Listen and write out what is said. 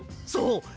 そう。